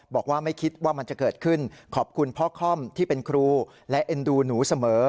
บอกว่าไม่คิดว่ามันจะเกิดขึ้นขอบคุณพ่อค่อมที่เป็นครูและเอ็นดูหนูเสมอ